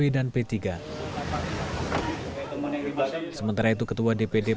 sementara itu ketua dpd partai demokrat jawa barat iwan sulanjana menyatakan